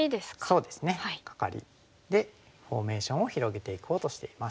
そうですねカカリ。でフォーメーションを広げていこうとしています。